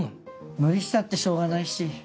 無理したってしょうがないし。